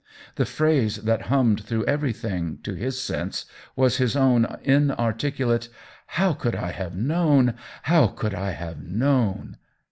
The phrase that hummed through everything, to his sense, was his own inarticulate " How could I have known ? how could I have known